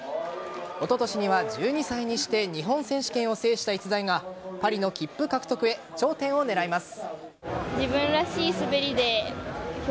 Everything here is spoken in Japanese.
おととしには１２歳にして日本選手権を制した逸材がパリの切符獲得へ頂点を狙います。